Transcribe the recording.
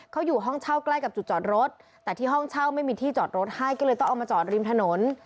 เขาอยู่ห้องเช่าใกล้กับจุดจอดรถแต่ที่ห้องเช่าไม่มีที่จอดรถให้ก็เลยต้องเอามาจอดริมถนน